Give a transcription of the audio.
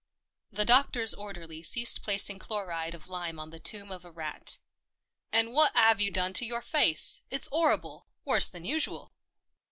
The Doctor's orderly ceased placing chloride of lime on the tomb of a rat. " And wot 'ave you done to your face ? It's 'orrible. Worse than usual."